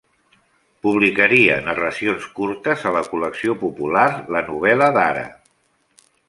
Publicaria narracions curtes a la col·lecció popular La Novel·la d'Ara.